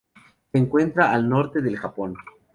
Se encuentra al norte del Japón.